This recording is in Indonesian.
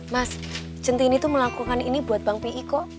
mas centini tuh melakukan ini buat bang pih kok